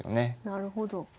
なるほど。